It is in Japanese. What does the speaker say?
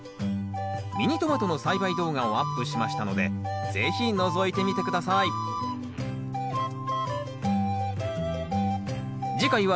ミニトマトの栽培動画をアップしましたので是非のぞいてみて下さい次回は